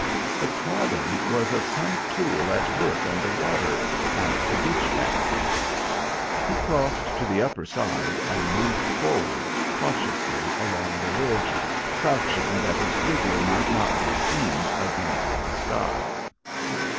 The prodding was of some tool at work under water, at the ditch bank. He crossed to the upper side, and moved forward cautiously along the ridge, crouching that his figure might not be seen against the sky.